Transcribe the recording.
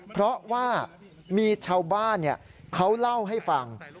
เพราะว่ามีชาวบ้านเขาเล่าให้ฟัง